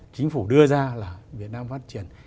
chính phủ đưa ra là việt nam phát triển